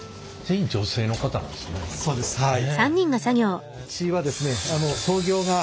そうですはい。